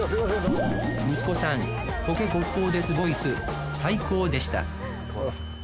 息子さんコケコッコーデスボイス最高でした